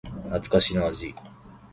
懐かしの味